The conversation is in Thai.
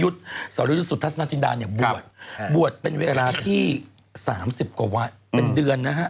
สรยุทธสนจินดาเนี่ยบวชบวชเป็นเวลาที่๓๐กว่าวัดเป็นเดือนนะฮะ